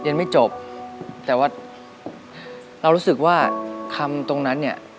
เรียนไม่จบแต่ว่าเรารู้สึกว่าคำตรงนั้นเนี่ย